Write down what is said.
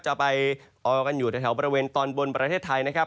จะไปออกันอยู่ในแถวบริเวณตอนบนประเทศไทยนะครับ